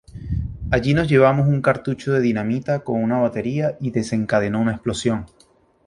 Allí nos llevamos un cartucho de dinamita con una batería y desencadenó una explosión.